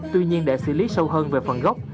tuy nhiên để xử lý sâu hơn về phần gốc